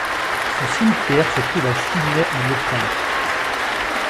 Ce cimetière se trouve à Sydney en Australie.